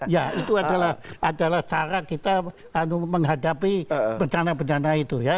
ya itu adalah cara kita menghadapi bencana bencana itu ya